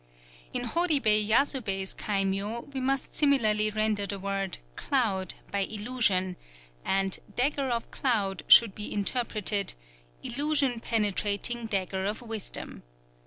_" In Horibei Yasubei's kaimyō we must similarly render the word "cloud" by illusion; and "Dagger of Cloud" should be interpreted, "_Illusion penetrating Dagger of Wisdom.